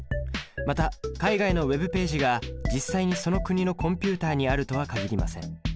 また海外のＷｅｂページが実際にその国のコンピュータにあるとは限りません。